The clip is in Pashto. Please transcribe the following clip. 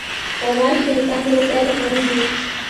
غوماشې د انسان د روغتیا دښمنې دي.